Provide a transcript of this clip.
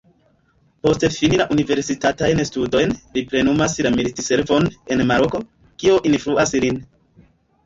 Post fini la universitatajn studojn, li plenumas la militservon en Maroko, kio influas lin.